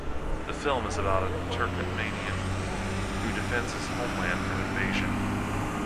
The film is about a Turkmenian who defends his homeland from invasion.